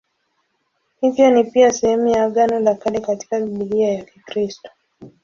Hivyo ni pia sehemu ya Agano la Kale katika Biblia ya Kikristo.